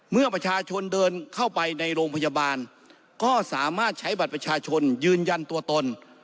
เมื่อประชาชนเดินเข้าไปในโรงพยาบาลก็สามารถใช้บัตรประชาชนยืนยันตัวตน